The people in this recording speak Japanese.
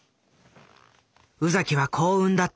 宇崎は幸運だった。